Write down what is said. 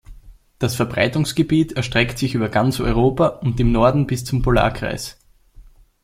Das Verbreitungsgebiet erstreckt sich über ganz Europa und im Norden bis zum Polarkreis.